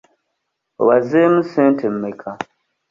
Obazeemu ssente mmeka?